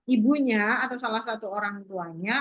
ibunya atau salah satu orang tuanya